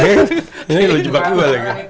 ini lo jebak gua lagi